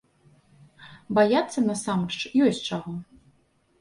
Баяцца, насамрэч, ёсць чаго.